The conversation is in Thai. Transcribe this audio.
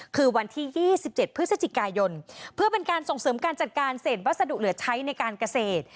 คือวันที่๒๗พฤศจิกายนเพื่อเป็นการส่งเสริมการจัดการเศษวัสดุเหลือใช้ในการเกษตร